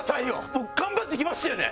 僕頑張ってきましたよね？